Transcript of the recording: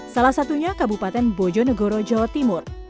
salah satunya kabupaten bojonegoro jawa timur